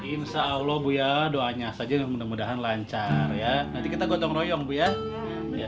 insya allah bu ya doanya saja mudah mudahan lancar ya nanti kita gotong royong bu ya